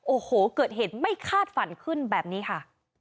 โอ้โหเกิดเหตุไม่คาดฝันขึ้นแบบนี้ค่ะ